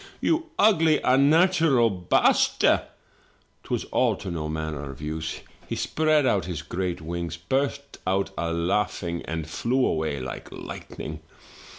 *You ugly, unnatural baste!* 'Twas all to no manner of use; he spread out his great wings, burst out a laughing, and flew away like lightning.